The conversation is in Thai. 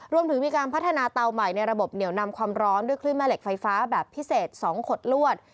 รวมถึงมีการพัฒนาเตาใหม่ในระบบเหนียวนำความร้อนด้วยคลื่นแม่เหล็กไฟฟ้าแบบพิเศษ๒ขดลวด